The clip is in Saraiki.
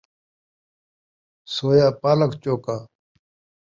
سویا پالک چوکا